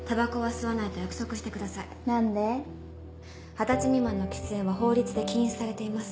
二十歳未満の喫煙は法律で禁止されています。